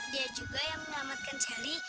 dia juga yang menyelamatkan heli